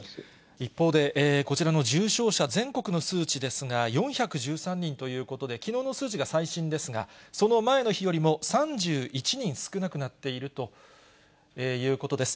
一方で、こちらの重症者、全国の数値ですが、４１３人ということで、きのうの数値が最新ですが、その前の日よりも３１人少なくなっているということです。